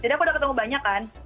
jadi aku udah ketemu banyak kan